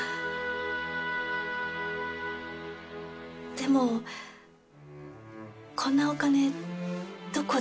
でもこんなお金どこで？